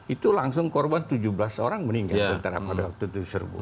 itu langsung korban tujuh belas orang meninggal tentara pada waktu itu diserbu